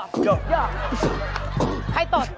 ใครตด